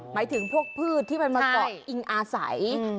หมายถึงพวกพืชที่มันมาเกาะอิงอาศัย